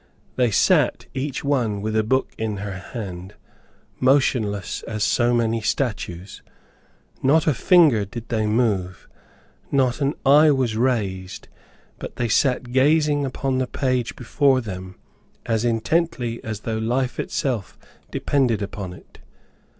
They sat, each one with a book in her hand, motionless as so many statues. Not a finger did they move, not an eye was raised, but they sat gazing upon the page before them as intently as though life itself depended upon it.